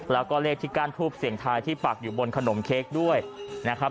แล้วก็เลขที่ก้านทูบเสียงทายที่ปักอยู่บนขนมเค้กด้วยนะครับ